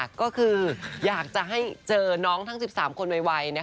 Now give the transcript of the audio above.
ก็คืออยากจะให้เจอน้องทั้ง๑๓คนไว